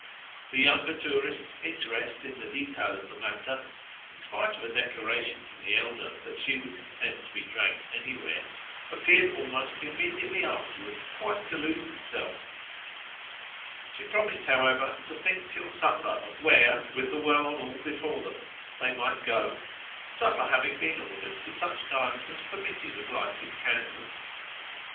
The younger tourist's interest in the detail of the matter in spite of a declaration from the elder that she would consent to be dragged anywhere appeared almost immediately afterwards quite to lose itself; she promised, however, to think till supper of where, with the world all before them, they might go supper having been ordered for such time as permitted of lighted candles.